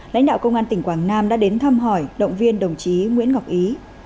lãnh đạo công an tỉnh quảng nam đã đến thăm hỏi động viên đồng chí nguyễn ngọc ý